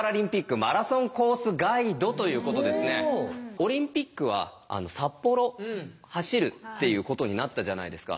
オリンピックは札幌走るっていうことになったじゃないですか。